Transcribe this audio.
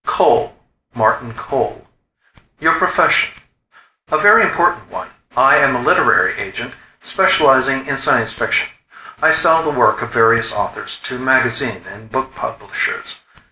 "Cole. Martin Cole." "Your profession?" "A very important one. I am a literary agent specializing in science fiction. I sell the work of various authors to magazine and book publishers."